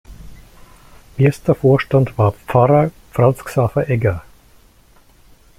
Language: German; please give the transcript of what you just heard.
Erster Vorstand war Pfarrer Franz Xaver Egger.